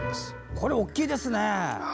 これ大きいですね。